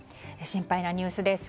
心配なニュースです。